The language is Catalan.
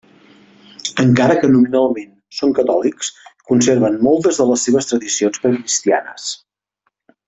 Encara que nominalment són catòlics conserven moltes de les seves tradicions precristianes.